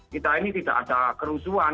kita ini tidak ada kerusuhan